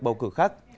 bầu cử khác